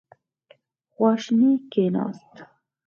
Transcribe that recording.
خواشینی کېناست.